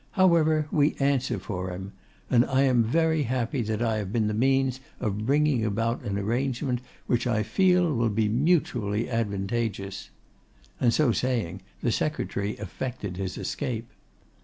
However, we answer for him. And I am very happy that I have been the means of bringing about an arrangement which, I feel, will be mutually advantageous.' And so saying, the secretary effected his escape.